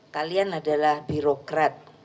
kalian adalah birokrat